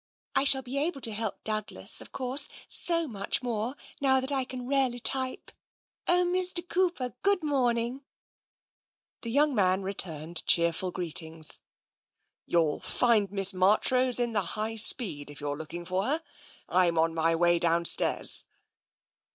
" I shall be able to help Douglas, of course, so much more, now that I can really type. Oh, Mr. Cooper, good morning !" The young man returned cheerful greetings. " You'll find Miss Marchrose in the High Speed, if you're looking for her. Tm on my way downstairs.'